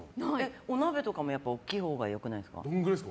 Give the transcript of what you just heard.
お鍋とかも大きいほうが良くないですか。